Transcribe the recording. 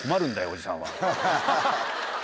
おじさんは。